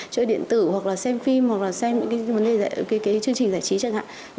chơi điện tử hoặc là xem phim hoặc là xem những cái chương trình giải trí chẳng hạn